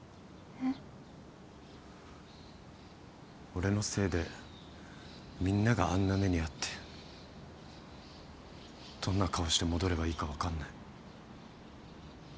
俺のせいでみんながあんな目に遭ってどんな顔して戻ればいいか分かんねえ。